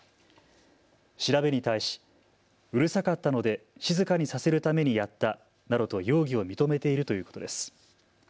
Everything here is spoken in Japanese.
調べに対しうるさかったので静かにさせるためにやったなどと容疑を認めているということです。